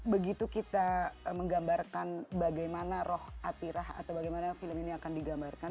begitu kita menggambarkan bagaimana roh atirah atau bagaimana film ini akan digambarkan